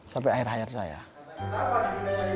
sampai akhir hayat kayaknya